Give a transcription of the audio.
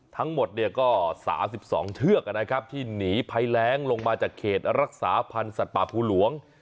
ทั้งหมดก็๓๒เชือกนะครับที่หนีภัยแรงลงมาจากเขตรักษาพันธ์สัตว์ป่าภูหลวง